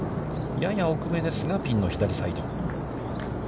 やや奥めですが、ピンの左サイド。